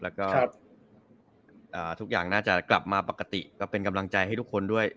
แล้วก็ทุกอย่างน่าจะกลับมาปกติก็เป็นกำลังใจให้ทุกคนด้วย